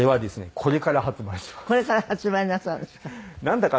これから発売なさるんですか。